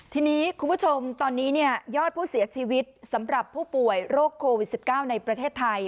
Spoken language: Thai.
ทีนี้คุณผู้ชมตอนนี้ยอดผู้เสียชีวิตสำหรับผู้ป่วยโรคโควิด๑๙ในประเทศไทย